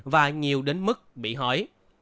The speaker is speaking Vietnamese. và nhiều đến mức bị hỏi